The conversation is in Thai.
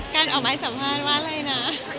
การออกมาให้สัมภาษณ์ว่าอะไรนะ